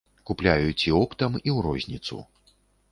Купляюць і оптам, і ў розніцу.